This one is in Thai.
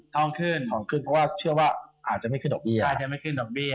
ทองขึ้นเพราะว่าเชื่อว่าอาจจะไม่ขึ้นดอกเบี้ย